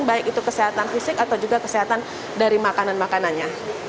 baik itu kesehatan fisik atau juga kesehatan dari makanan makanannya